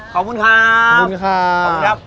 ขอบคุณครับขอบคุณครับ